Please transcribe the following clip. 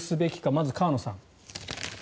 まず河野さん。